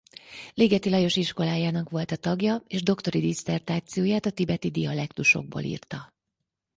Ligeti Lajos iskolájának volt a tagja és doktori disszertációját a tibeti dialektusokból írta.